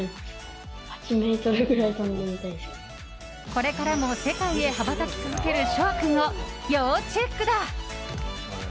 これからも世界へ羽ばたき続ける翔海君を要チェックだ。